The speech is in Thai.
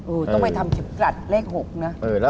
เออต้องไปทำชิบกระดเลข๖นะ